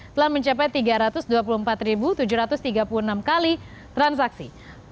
telah mencapai tiga ratus dua puluh empat tujuh ratus tiga puluh enam kali transaksi